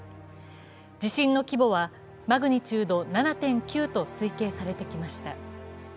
地震の規模はマグニチュード７．９と推計されてきました。